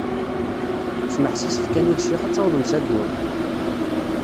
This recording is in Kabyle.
Smeḥsiset kan i lecyax ad tawḍem s ayyur!